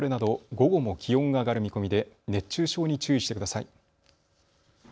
午後も気温が上がる見込みで熱中症に注意してください。